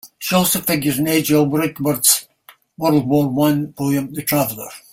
She also figures in Edgell Rickword's World War One poem "The Traveller".